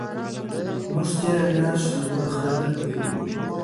موږ تېره میاشت لوړ غره ته تللي وو.